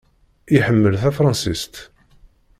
Iḥemmel tafṛansist.